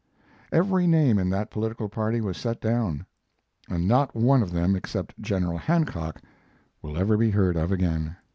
Every name in that political party was set dawn, and not one of them except General Hancock will ever be heard of again.